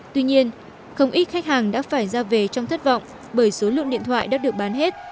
tuy nhiên không ít khách hàng đã phải ra về trong thất vọng bởi số lượng điện thoại đã được bán hết